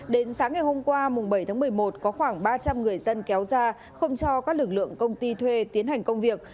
đến sáng ngày hôm qua bảy tháng một mươi một có khoảng ba trăm linh người dân kéo ra không cho các lực lượng công ty thuê tiến hành công việc